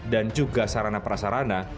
dan masyarakat yang berpengalaman di pasarana